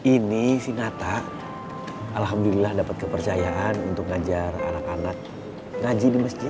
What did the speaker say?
ini si nata alhamdulillah dapat kepercayaan untuk ngajar anak anak yang bisa berpikir